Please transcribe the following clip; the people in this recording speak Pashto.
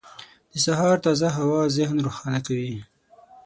• د سهار تازه هوا ذهن روښانه کوي.